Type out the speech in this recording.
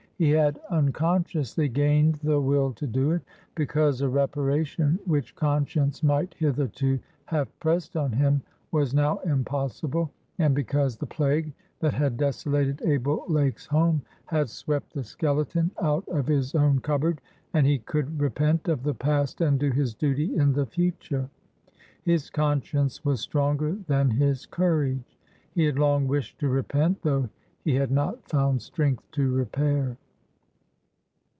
He had unconsciously gained the will to do it, because a reparation which conscience might hitherto have pressed on him was now impossible, and because the plague that had desolated Abel Lake's home had swept the skeleton out of his own cupboard, and he could repent of the past and do his duty in the future. His conscience was stronger than his courage. He had long wished to repent, though he had not found strength to repair.